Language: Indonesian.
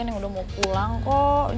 yang udah mau pulang kok